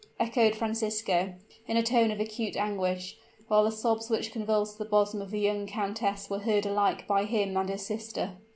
echoed Francisco, in a tone or acute anguish, while the sobs which convulsed the bosom of the young countess were heard alike by him and his sister.